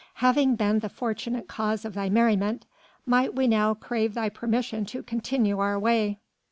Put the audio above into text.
Having been the fortunate cause of thy merriment, might we now crave thy permission to continue our way.